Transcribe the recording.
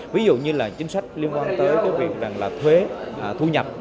ví dụ như chính sách liên quan tới việc thuế thu nhập